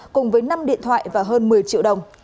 cùng với năm điện thoại và hơn một mươi triệu đồng